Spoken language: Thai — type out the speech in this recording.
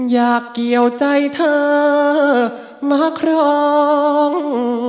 อยากเกี่ยวใจเธอมาครอง